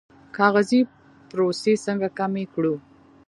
کاغذي پروسې څنګه کمې کړو؟